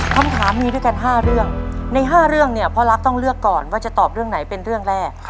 คำถามมีด้วยกัน๕เรื่องใน๕เรื่องเนี่ยพ่อรักต้องเลือกก่อนว่าจะตอบเรื่องไหนเป็นเรื่องแรก